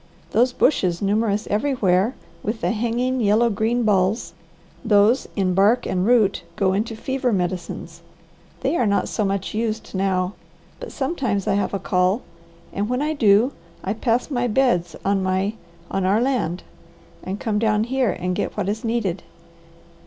"Those bushes, numerous everywhere, with the hanging yellow green balls, those, in bark and root, go into fever medicines. They are not so much used now, but sometimes I have a call, and when I do, I pass the beds on my on our land, and come down here and get what is needed.